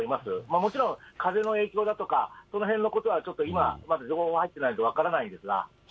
もちろん、風の影響だとか、そのへんのことはちょっと今、まだ情報が入ってないので分からないんですが。